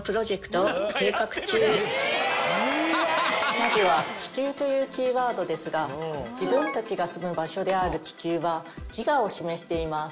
まずは地球というキーワードですが自分達が住む場所である地球は自我を示しています。